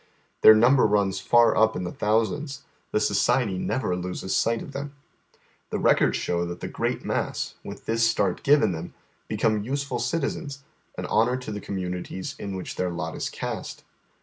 Their number runs far up in the thousands. The Society never loses sight of them. The records show that the great mass, with this start given them, become nseful citizens, an honor to the communities in which their lot is cast.